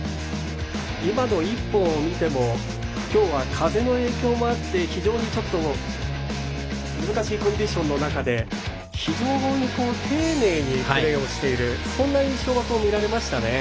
今の１本を見ても今日は風の影響もあって非常に難しいコンディションの中で非常に丁寧にプレーをしているそんな印象が見られましたね。